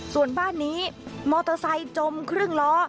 ส่วนบ้านนี้มอเตอร์ไซค์จมครึ่งล้อ